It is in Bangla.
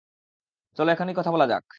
চল এখনই কথা বলা যাক।